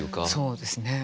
そうですね。